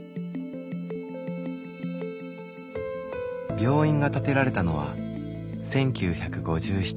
病院が建てられたのは１９５７年。